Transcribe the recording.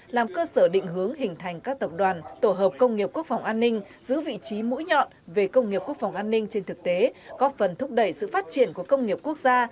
về công nghiệp quốc phòng an ninh trên thực tế góp phần thúc đẩy sự phát triển của công nghiệp quốc gia